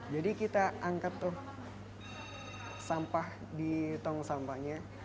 jadi kita angkat sampah di tong sampahnya